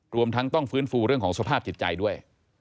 รวมทั้งต้องฟื้นฟูเรื่องของสภาพจิตใจด้วย